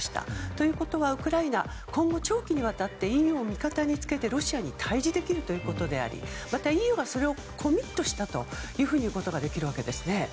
ということは、ウクライナは今後長期にわたってＥＵを味方につけてロシアに対峙できるということでありまたＥＵがそれをコミットしたということができるわけです。